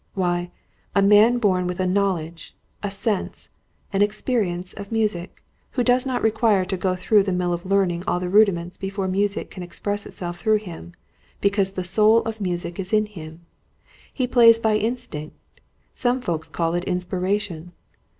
Why, a man born with a knowledge, a sense, an experience, of music, who does not require to go through the mill of learning all the rudiments before music can express itself through him, because the soul of music is in him. He plays by instinct some folk call it inspiration.